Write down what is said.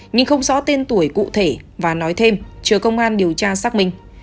nhưng không rõ tên tuổi cụ thể và nói thêm chờ công an điều tra xác minh